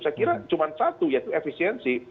saya kira cuma satu yaitu efisiensi